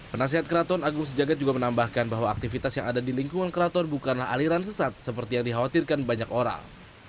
penasihat keraton agung sejagat juga menambahkan bahwa aktivitas yang ada di lingkungan keraton bukanlah aliran sesat seperti yang dikhawatirkan banyak orang